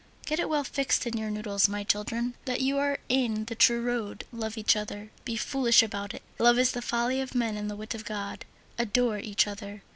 Get it well fixed in your noddles, my children, that you are in the true road. Love each other. Be foolish about it. Love is the folly of men and the wit of God. Adore each other.